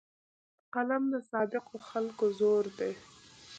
قلم د صادقو خلکو زور دی